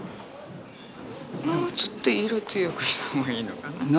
もうちょっと色強くした方がいいのかな。